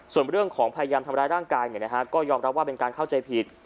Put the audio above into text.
ส่วนเรื่องของพยายามทำร้ายร่างกายก็ยอมรับว่าเป็นการเข้าใจผิด